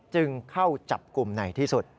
จึงเข้าจับกลุ่มในที่สุด